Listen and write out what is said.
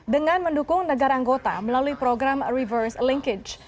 dengan mendukung negara anggota melalui program reverse linkage